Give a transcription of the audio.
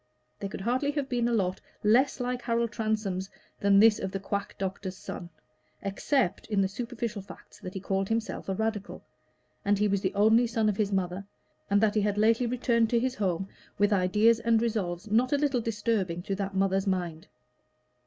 There could hardly have been a lot less like Harold Transome's than this of the quack doctor's son, except in the superficial facts that he called himself a Radical, that he was the only son of his mother, and that he had lately returned to his home with ideas and resolves not a little disturbing to that mother's mind.